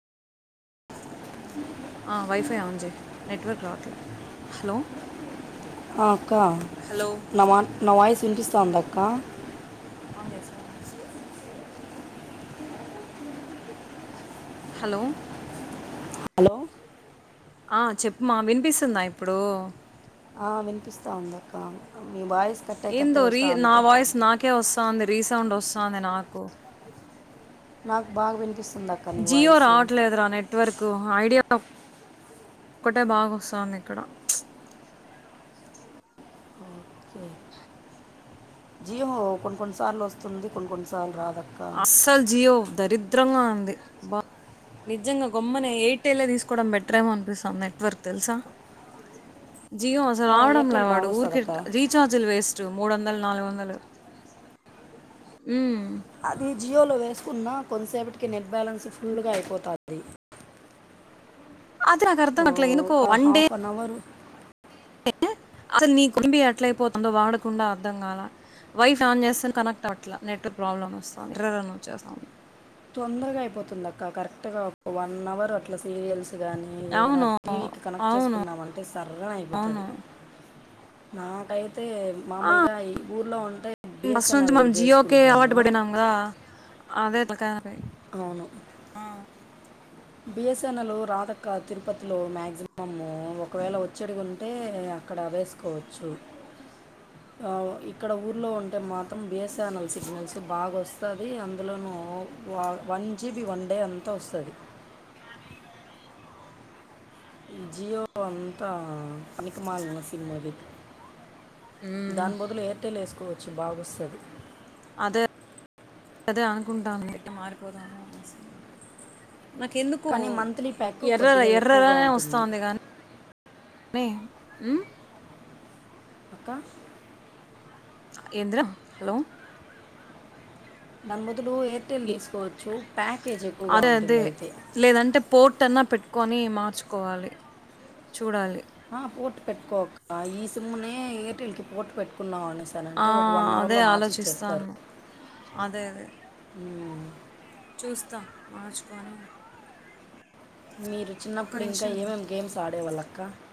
hello ఆ అక్క hello నా మా నా వాయిస్ వినిపిస్తాంద అక్క అవు సార్ హలో హలో ఆ చెప్పుమా వినిపిస్తుందా ఇప్పుడు ఆ వినిపిస్తా ఉందక్క మీ వాయిస్ కట్టే కట్టే ఏందో రీ వస్తూ నా ఉంటే వాయిస్ నాకే వస్తది రీసౌండ్ వస్తది నాకు నాక్ బాగ వినిపీస్ జియో రావట్లేదురా నెట్వర్క్ ఐడియా ఒక్కటే బాగోస్థాంది ఇక్కడ జీవో కొన్ని కొన్ని సార్లు వస్తుంది కొన్ని కొన్ని సార్లు రా అస్సలు జియో దరిద్రంగా ఉంది బా నిజంగా గమ్మన ఎయిర్టెలే తీసుకోవడం బెటర్ేమో అనిపిస్తాంది నెట్వర్క్ తెలుసా జియో అసలు ఆ, రావడం లే ఎయిర్టెల్ బాగా వాడు వస్తుంది ఊరికి అక్క రీఛార్జీలు వేస్ట్ మూడు వందలు నాలుగు వందలు మ్ అది జియోలో వేసుకున్నా కొంతసేపటికి నెట్ బ్యాలెన్స్ ఫుల్గా అయిపోతంది అదే నాకు అర్థంకట్లే ఎందుకు ఒక one day half an hour అసలు నీ కుంబి ఎట్లయిపోతుందో వాడకుండా అర్ధం కాలే వైఫై ఆన్ చేస్తే కనెక్ట్ అవ్వట్లా నెట్వర్క్ ప్రాబ్లమ్ వస్తుంది ఎర్రర్ అని వచ్చేస్తాంది తొరగా అయిపోతుంది అక్క కరెక్ట్ గా ఒక వన్ అవర్ అట్లా సీరియల్స్ కానీ ఏదైనా అవును టీవీకి కనెక్ట్ అవును చేసుకున్నామంటే సర్ నై నేపోతది అవును నా కై తే ఆ, మామూలుగా ఈ ఊర్లో ఉంటే ఫస్ట్ నుంచి బిఎస్ఎన్ఎల్ మనం జియోకే అలవాటు చేసుకుంటాను పడినాం కదా అదే కా రి అవును ఆ బిఎస్ఎన్ఎల్ రాదక్క తిరుపతిలో మాక్సిమమ్ ఒకవేళ వచ్చేటివి ఉంటే అక్కడ వేసుకోవచ్చు ఆ ఇక్కడ ఊర్లో ఉంటే మాత్రం బిఎస్ ల్ సిగ్నల్స్ బాగోస్ స్తది అందులోనూ వన్ జీబీ వన్ డే అంతా వస్తది ఈ జియో అంతా పనికిమాలీన సిమ్మది దాని బదులు ఎయిర్టెల్ వేసుకోవచ్చు బాగొస్తది అదే అదే అనుకుంటాంటి మారిపోదాము అనేసి నాకెందుకో కానీ మంత్లీ ప్యాక్ ఎర్రర్ కొద్దిగా ఎక్కువగా ఎర్రరనే వస్త ఉంటుంది ఉంది గా ని మ్ అక్క ఏంద్ర హలో నమ్మో దులు ఎయిటెల్ తీసుకోవచ్చు ప్యాకేజ్ ఎక్కువగ అదే అదే ఉంటుంది అయితే కొని మార్చుకోవాలి చూడాలి ఆ పోర్టు పెట్టుకో అక్క ఈ సిమ్ముని ఎయిర్టెల్ కి పోర్టు పెట్టుకున్నావన్ స్త ఆ, నంటే ఒక వన్ అవర్ అదే లో మార్చి ఇచ్చేస్తారు ఆలోచిస్తాను అదే అదే మ్ చూస్తా మార్చుకోని మీరు చిన్నప్పుడు ఇంకా నిమిషం ఏమేమి గేమ్స్ ఆడేవాళ్ళక్క